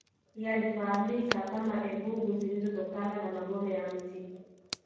Yalifahamika kama embugu zilitokana na magome ya mti